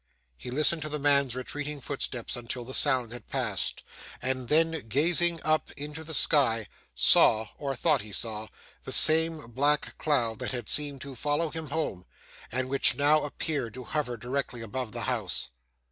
He listened to the man's retreating footsteps until the sound had passed, and then, gazing up into the sky, saw, or thought he saw, the same black cloud that had seemed to follow him home, and which now appeared to hover directly above the house.